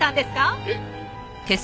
えっ？